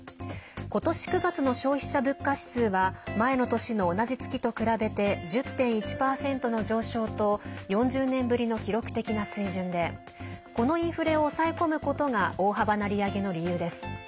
今年９月の消費者物価指数は前の年の同じ月と比べて１０．１％の上昇と４０年ぶりの記録的な水準でこのインフレを抑え込むことが大幅な利上げの理由です。